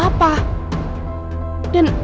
dan apa untungnya juga